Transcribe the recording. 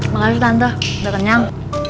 makasih tante udah kenyang